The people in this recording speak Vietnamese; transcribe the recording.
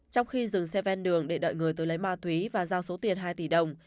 trong khi dừng xe ven đường để đợi người tới lấy ma túy và giao số tiền hai tỷ đồng